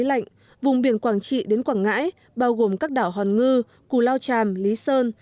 lạnh vùng biển quảng trị đến quảng ngãi bao gồm các đảo hòn ngư cù lao tràm lý sơn